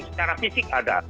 secara fisik ada